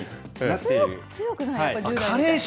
強くない。